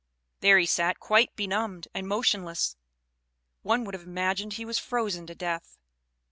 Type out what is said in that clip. There he sat quite benumbed and motionless; one would have imagined he was frozen to death.